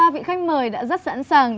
ba vị khách mời đã rất sẵn sàng